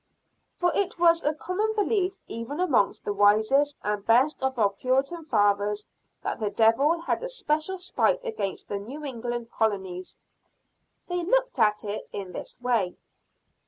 For it was a common belief even amongst the wisest and best of our Puritan fathers, that the devil had a special spite against the New England colonies. They looked at it in this way.